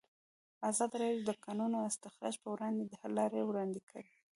ازادي راډیو د د کانونو استخراج پر وړاندې د حل لارې وړاندې کړي.